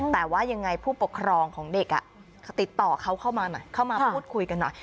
แต่ว่ายังไงผู้ปกครองของเด็กติดต่อเขาเข้ามาหน่อยเข้ามาพูดคุยกันหน่อย